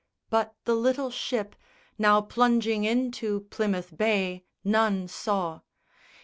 But the little ship Now plunging into Plymouth Bay none saw.